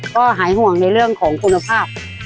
ก็หายห่วงในเรื่องของคุณภาพ